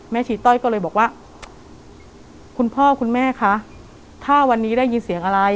ชีต้อยก็เลยบอกว่าคุณพ่อคุณแม่คะถ้าวันนี้ได้ยินเสียงอะไร